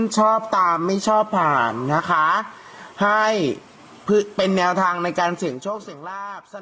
ชอบตามไม่ชอบผ่านนะคะให้เป็นแนวทางในการเสี่ยงโชคเสียงลาบ